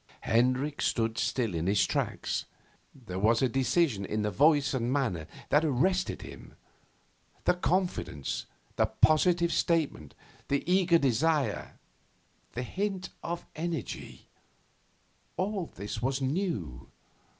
Hendricks stood still in his tracks. There was a decision in the voice and manner that arrested him. The confidence, the positive statement, the eager desire, the hint of energy all this was new.